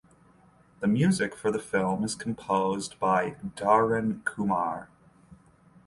The music for the film is composed by Dharan Kumar.